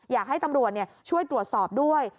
อยากให้ตำรวจช่วยตรวจสอบด้วย